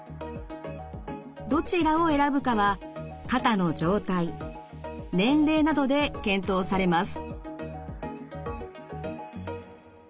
どちらを選ぶかは肩の状態年齢などで検討されます。